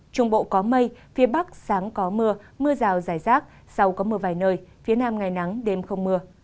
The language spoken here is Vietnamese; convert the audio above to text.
trung bộ có mây phía bắc sáng có mưa mưa rào rải rác sau có mưa vài nơi phía nam ngày nắng đêm không mưa